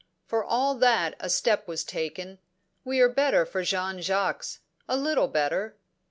For all that a step was taken. We are better for Jean Jacques a little better."